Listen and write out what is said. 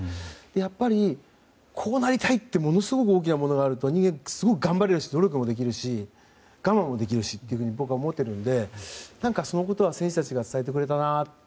やっぱり、こうなりたいってものすごく大きなものがあると人間はすごく頑張れるし努力もするし、我慢もできるのでそのことは選手たちが伝えてくれたなと。